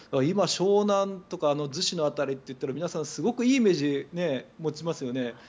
今、湘南とか逗子の辺りとかいうと皆さん、すごくいいイメージを持ちますよね。